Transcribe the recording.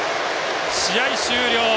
試合終了。